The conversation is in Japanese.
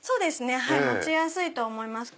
持ちやすいと思います。